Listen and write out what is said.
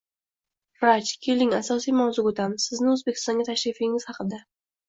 Raj, keling asosiy mavzuga oʻtamiz, sizni Oʻzbekistonga tashrifingiz haqida?